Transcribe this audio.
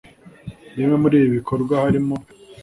Bimwe muri ibi bikorwa harimo